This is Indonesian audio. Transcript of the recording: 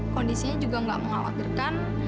kondisinya juga gak mengawakirkan